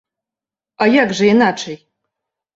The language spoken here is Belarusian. А як жа іначай!